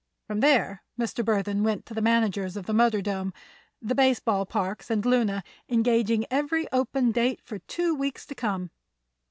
From there Mr. Burthon went to the managers of the Motordrome, the baseball parks and Luna, engaging every open date for two weeks to come.